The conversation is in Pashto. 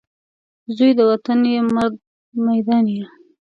زوی د وطن یې ، مرد میدان یې